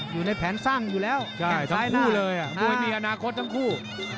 อยู่ในแผนสร้างอยู่แล้วซ้ายคู่เลยมวยมีอนาคตทั้งคู่